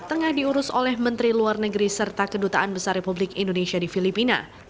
tengah diurus oleh menteri luar negeri serta kedutaan besar republik indonesia di filipina